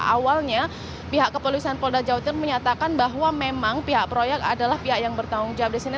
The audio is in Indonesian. awalnya pihak kepolisian polda jawa timur menyatakan bahwa memang pihak proyek adalah pihak yang bertanggung jawab di sini